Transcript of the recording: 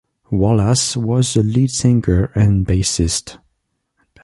Wallace was the lead singer and bassist.